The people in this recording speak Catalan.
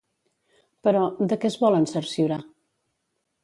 Però, de què es volen cerciorar?